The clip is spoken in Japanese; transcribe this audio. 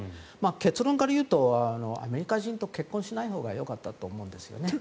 結論から言うとアメリカ人と結婚しないほうがよかったと思うんですよね。